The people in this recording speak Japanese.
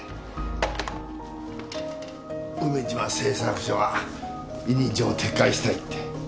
梅島製作所が委任状を撤回したいって。